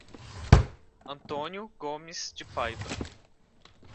Antônio Gomes de Paiva